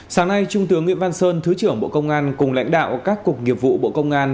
sáng nay trung tướng nguyễn văn sơn thứ trưởng bộ công an cùng lãnh đạo các cục nghiệp vụ bộ công an